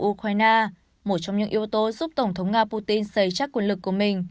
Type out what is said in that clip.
ukraine một trong những yếu tố giúp tổng thống nga putin xây chắc quân lực của mình